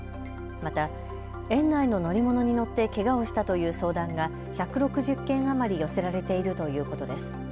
また園内の乗り物に乗ってけがをしたという相談が１６０件余り寄せられているということです。